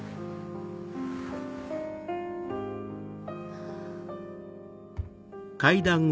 ハァ。